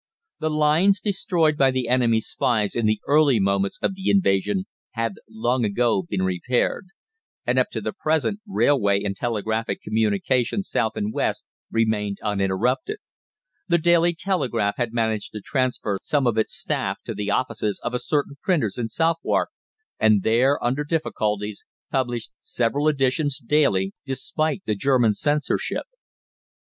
The lines destroyed by the enemy's spies in the early moments of the invasion had long ago been repaired, and up to the present railway and telegraphic communication south and west remained uninterrupted. The "Daily Telegraph" had managed to transfer some of its staff to the offices of a certain printer's in Southwark, and there, under difficulties, published several editions daily despite the German censorship.